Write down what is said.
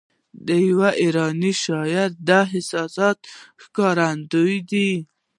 د یوه ایراني شاعر د احساساتو ښکارندوی ده.